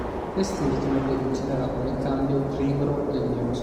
Quest'ultimo poi funzionerà come cambio cribro-legnoso.